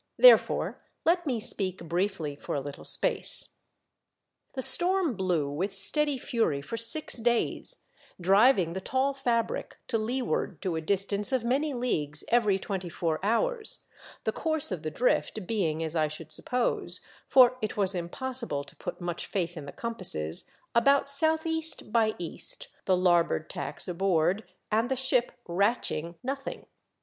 Therefore let me speak briefly for a little space. The storm blew with steady fury for six days, driving the tall fabric to leeward to a distance of many leagues every twenty four hours, the course of the drift being as I should suppose — for it was impossible to put much faith in the compasses — about south east by east, the larboard tacks aboard and the ship "ratching" nothing.